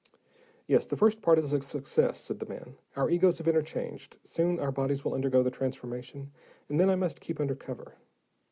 "Yes, the first part is a success," said the man. "Our egos have interchanged. Soon, our bodies will undergo the transformation, and then I must keep under cover.